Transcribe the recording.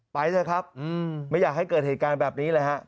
ไปเถอะครับไม่อยากให้เกิดเหตุการณ์แบบนี้เลยฮะ